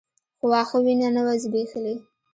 خو واښه وينه نه وه ځبېښلې.